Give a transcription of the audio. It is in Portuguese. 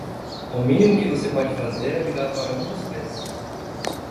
O mínimo que você pode fazer é ligar para um dos três.